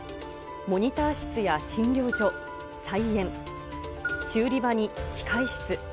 モニター室や診療所、菜園、修理場に機械室。